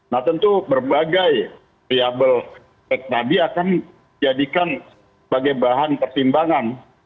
nah tentu berbagai riabal tadi akan dijadikan sebagai bahan pertimbangan